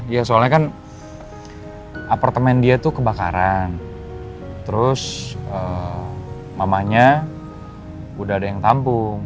ya soalnya kan apartemen dia tuh kebakaran terus mamanya udah ada yang tampung